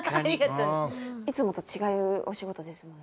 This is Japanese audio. いつもと違うお仕事ですもんね。